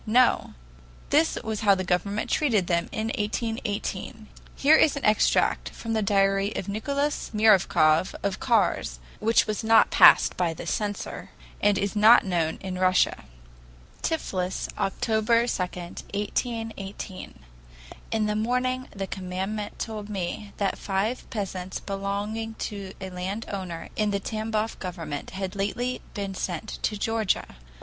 No. This was how the government treated them in 1818. Here is an extract from the diary of Nicholas Myravyov of Kars, which was not passed by the censor, and is not known in Russia: "Tiflis, October 2, 1818. "In the morning the commandant told me that five peasants belonging to a landowner in the Tamboff government had lately been sent to Georgia.